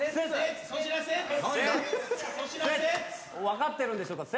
分かってるんでしょうか。